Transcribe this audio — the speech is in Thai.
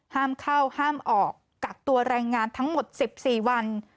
ห้ามเข้าห้ามออกกักตัวแรงงานทั้งหมด๑๔วัน